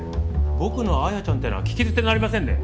僕の礼ちゃんってのは聞き捨てなりませんね。